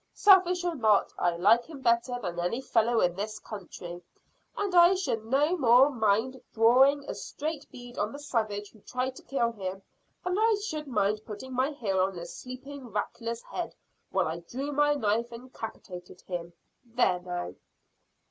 Selfish or not, I like him better than any fellow in this country, and I should no more mind drawing a straight bead on the savage who tried to kill him than I should mind putting my heel on a sleeping rattler's head while I drew my knife and 'capitated him. There, now."